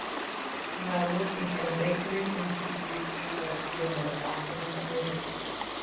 While working at a bakery in Cebu City, Garcia met a boxing promoter.